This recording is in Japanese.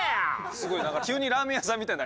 すごい何か急にラーメン屋さんみたいに。